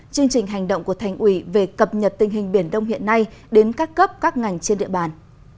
chương trình hành động của thành ủy về cập nhật tình hình biển đông hiện nay đến các cấp các ngành trên địa bàn